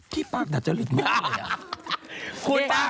พี่ป้ากหนัดจะหลีดมากเลยอะ